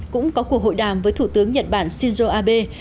cũng có cuộc hội đàm với thủ tướng nhật bản shinzo abe